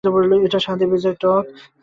এটি স্বাদে বেজায় টক।